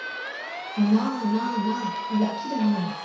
না, না, না, লাঠিটা নিয়ে নয়!